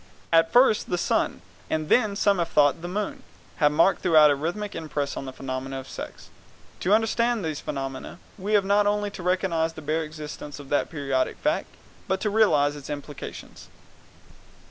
At first the sun, and then, as some have thought, the moon, have marked throughout a rhythmic impress on the phenomena of sex. To understand these phenomena we have not only to recognize the bare existence of that periodic fact, but to realize its implications.